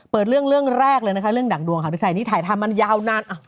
เปิดเรื่องแรกเลยนะคะเรื่องดั่งดวงถ้ายนี่ถ่ายทางมันยาวนาน